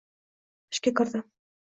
ishga kirdim.